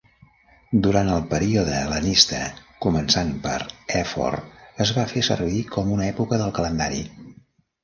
Durant el període hel·lenista, començant per Èfor, es va fer servir com una època del calendari.